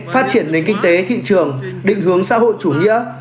phát triển nền kinh tế thị trường định hướng xã hội chủ nghĩa